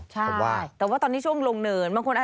ใช่แต่ว่าตอนนี้ช่วงลงเนิน